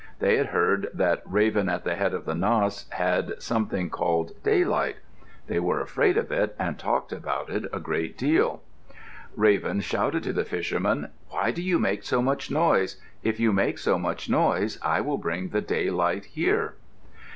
They had heard that Raven at the head of Nass had something called "daylight." They were afraid of it and talked about it a great deal. Raven shouted to the fishermen, "Why do you make so much noise? If you make so much noise I will bring the daylight here."